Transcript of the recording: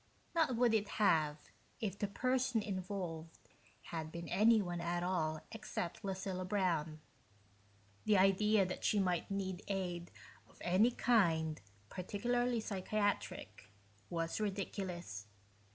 Not would it have, if the person involved had been anyone at all except Lucilla Brown. The idea that she might need aid of any kind, particularly psychiatric, was ridiculous.